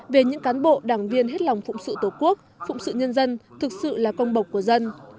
về những cán bộ đảng viên hết lòng phụng sự tổ quốc phụng sự nhân dân thực sự là công bộc của dân